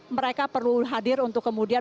mereka perlu hadir untuk kemudian